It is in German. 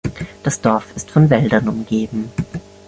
Das Dorf ist von Wäldern umgeben.